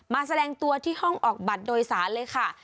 แสดงตัวที่ห้องออกบัตรโดยสารเลยค่ะ